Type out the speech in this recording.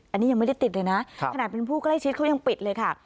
อันนี้ยังไม่ได้ติดเลยนะขนาดเป็นผู้ใกล้ชิดเขายังปิดเลยค่ะ